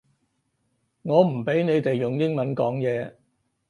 我唔畀你哋用英文講嘢